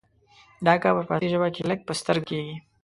دا کار په فارسي ژبه کې لږ په سترګه کیږي.